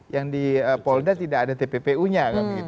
yang di polda tidak ada tppu nya